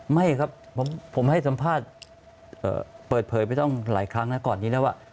ไม่ครับผมให้สัมภาษณ์เปิดเผยไปต้องหลายครั้งนะก่อนนี้แล้วว่า